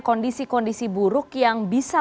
kondisi kondisi buruk yang bisa